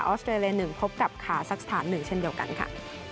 สเตรเลีย๑พบกับคาซักสถาน๑เช่นเดียวกันค่ะ